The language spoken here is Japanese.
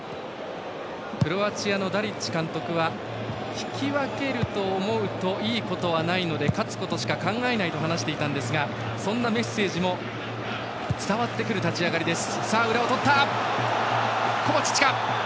クロアチアのダリッチ監督は引き分けると思うといいことはないので勝つことしかないと話していたんですがそんなメッセージも伝わってくる立ち上がりです。